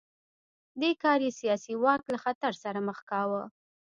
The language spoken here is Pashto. دې کار یې سیاسي واک له خطر سره مخ کاوه.